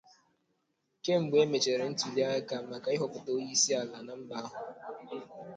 Kemgbe e mechara ntụli aka maka ịhọpụta onye isi ala na mba ahụ